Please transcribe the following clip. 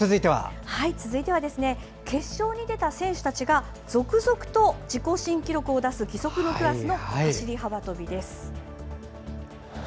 次は決勝に出た選手たちが続々と自己新記録を出す義足のクラスの走り幅跳びです。